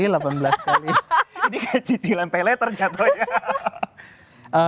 ini kayak cicilan pelet terjatuhnya